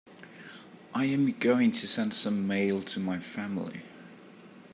I am going to send some mail to my family.